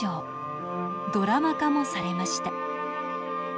ドラマ化もされました。